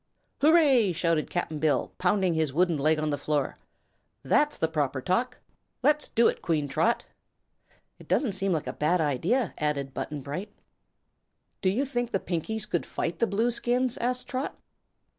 "Hooray!" shouted Cap'n Bill, pounding his wooden leg on the floor; "that's the proper talk! Let's do it, Queen Trot." "It doesn't seem like a bad idea," added Button Bright. "Do you think the Pinkies could fight the Blueskins?" asked Trot.